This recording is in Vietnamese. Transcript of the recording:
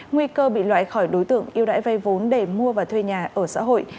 nguy cơ bị loại khỏi đối tượng yêu đại vay vốn để mua và thuê nhà ở xã hội